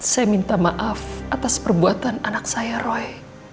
saya minta maaf atas perbuatan anak saya roy